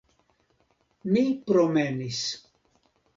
Mi promenis.